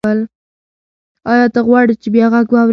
ایا ته غواړې چې بیا غږ واورې؟